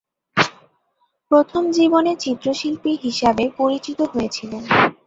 প্রথম-জীবনে চিত্রশিল্পী হিসাবে পরিচিত হয়েছিলেন।